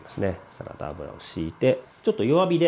サラダ油をしいてちょっと弱火で。